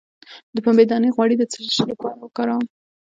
د پنبې دانه غوړي د څه لپاره وکاروم؟